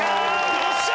よっしゃ！